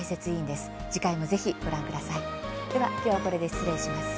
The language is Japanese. では、きょうはこれで失礼します。